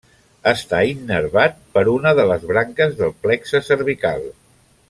Està innervat per una de les branques del plexe cervical.